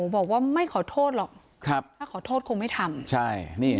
บอกว่าไม่ขอโทษหรอกถ้าขอโทษคงไม่ทำ